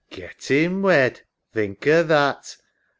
Gettin' wed! Think o' that.